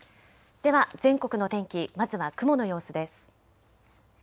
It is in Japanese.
では全国の天気、まずは雲の様子です。